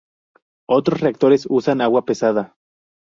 Otros reactores usan agua pesada.